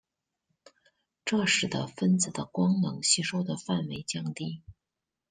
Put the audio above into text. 这使得分子的光能吸收的范围降低。